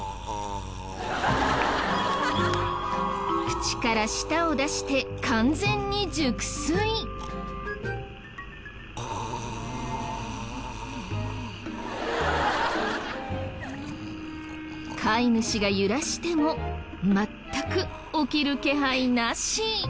口から舌を出して飼い主が揺らしても全く起きる気配なし。